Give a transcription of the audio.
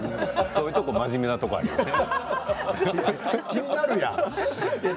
そういうところ真面目なところありますね。